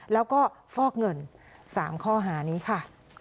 แล้วก็ฟอกเงิน๓ข้อหานี้ค่ะ